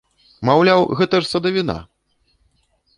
Маўляў, гэта ж садавіна!